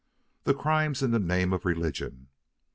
The crimes in the name of religion!